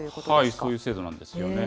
そういう制度なんですよね。